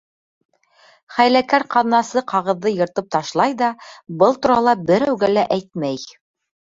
Хәйләкәр ҡаҙнасы ҡағыҙҙы йыртып ташлай ҙа был турала берәүгә лә әйтмәй.